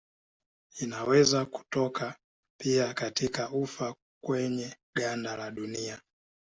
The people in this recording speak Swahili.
Inaweza kutoka pia katika ufa kwenye ganda la dunia.